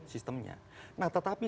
sistemnya nah tetapi